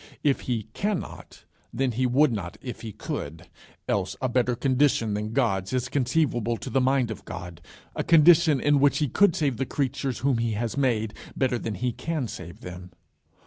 If he cannot, then he would not if he could; else a better condition than God's is conceivable to the mind of God a condition in which he could save the creatures whom he has made, better than he can save them.